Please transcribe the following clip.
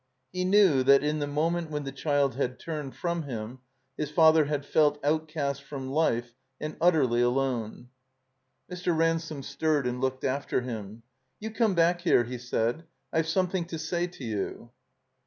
He knew that, in the moment when the child had turned from him, his father had felt outcast from life and utterly alone. Mr. Ransome stirred and looked after him. "You come back here," he said. "I've something to say to you."